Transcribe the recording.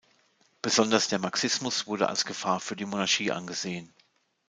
Besonders der Marxismus wurde als Gefahr für die Monarchie angesehen.